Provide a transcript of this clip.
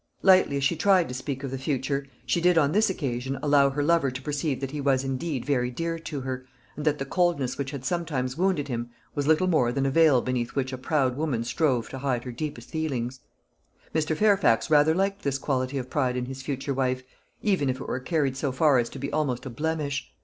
Lightly as she tried to speak of the future, she did on this occasion allow her lover to perceive that he was indeed very dear to her, and that the coldness which had sometimes wounded him was little more than a veil beneath which a proud woman strove to hide her deepest feelings. Mr. Fairfax rather liked this quality of pride in his future wife, even if it were carried so far as to be almost a blemish.